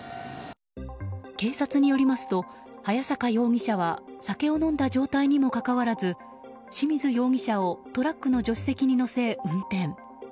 警察によりますと早坂容疑者は酒を飲んだ状態にもかかわらず清水容疑者をトラックの助手席に乗せ、運転。